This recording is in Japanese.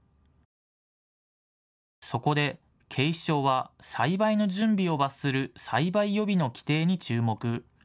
そこで、警視庁は栽培の準備を罰する栽培予備の規定に注目。